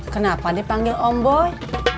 kenapa dipanggil om boy